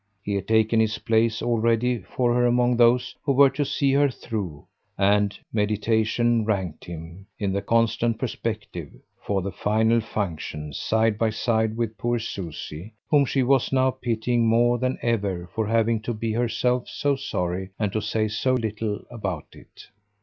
He had taken his place already for her among those who were to see her through, and meditation ranked him, in the constant perspective, for the final function, side by side with poor Susie whom she was now pitying more than ever for having to be herself so sorry and to say so little about it.